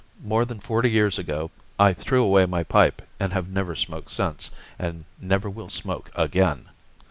More than forty years ago I threw away my pipe and have never smoked since, and never will smoke again.